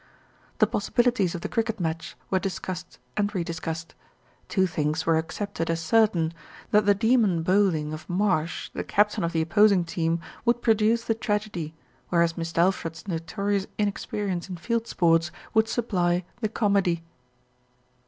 The possibilities of the cricket match were discussed and re discussed. Two things were accepted as certain, that the demon bowling of Marsh, the captajn of the opposing team, would produce the tragedy, whereas Mist' Alfred's notorious inexperience in field sports would supply the comedy.